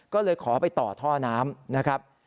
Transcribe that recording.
ก็เลยขอไปต่อท่อน้ำนะครับ